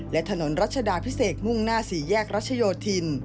และถนนรัชดาพิเศษมุ่งหน้าสี่แยกรัชโยธิน